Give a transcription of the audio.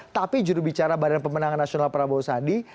tapi jurubicara badan pemenangan nasional prabowo sandi